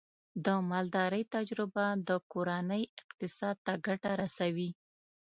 د مالدارۍ تجربه د کورنۍ اقتصاد ته ګټه رسوي.